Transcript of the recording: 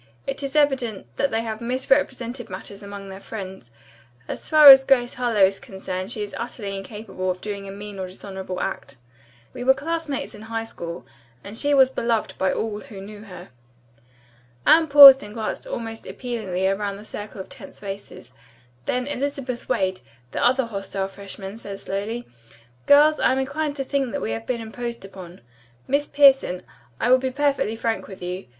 It is evident that they have misrepresented matters among their friends. As far as Grace Harlowe is concerned she is utterly incapable of doing a mean or dishonorable act. We were classmates in high school and she was beloved by all who knew her." Anne paused and glanced almost appealingly around the circle of tense faces. Then Elizabeth Wade, the other hostile freshman, said slowly: "Girls, I am inclined to think we have been imposed upon. Miss Pierson, I will be perfectly frank with you.